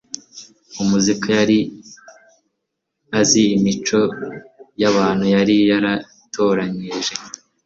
Umukiza yari azi imico y'abantu yari yaratoranije;